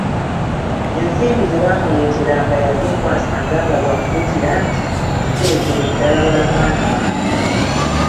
Ensimbi ze baamuleeteranga yazinkwasanga nga bw'ankuutira nti, "ziterekere ddala wala mwana wange."